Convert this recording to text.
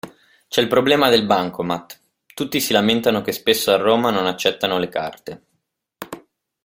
C'è il problema del bancomat: tutti si lamentano che spesso a Roma non accettano le carte.